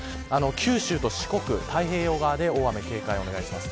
九州と四国、太平洋側で大雨に警戒をお願いします。